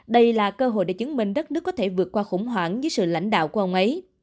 đây là cơ hội để chứng minh đất nước có thể vượt qua khủng hoảng dưới sự lãnh đạo của ông ấy